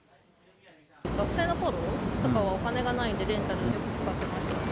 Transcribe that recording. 学生のころとかはお金がないんで、レンタルよく使っていました。